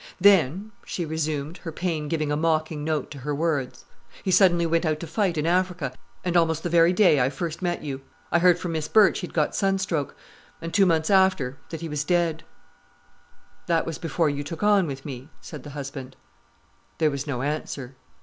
"Then," she resumed, her pain giving a mocking note to her words, "he suddenly went out to fight in Africa, and almost the very day I first met you, I heard from Miss Birch he'd got sunstroke—and two months after, that he was dead——" "That was before you took on with me?" said the husband. There was no answer.